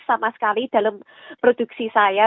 sama sekali dalam produksi saya